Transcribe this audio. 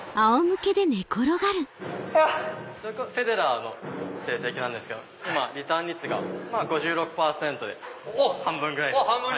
フェデラーの成績なんですけどリターン率が５６％で半分ぐらいですね。